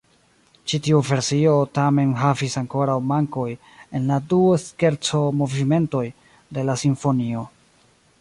Ĉi tiu versio tamen havis ankoraŭ mankoj en la du skerco-movimentoj de la simfonio.